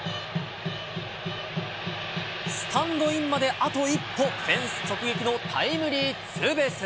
スタンドインまであと一歩、フェンス直撃のタイムリーツーベース。